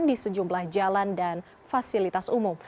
di sejumlah jalan dan fasilitas umum